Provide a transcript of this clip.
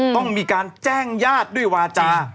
ต้องมีการแจ้งญาติด้วยวาจา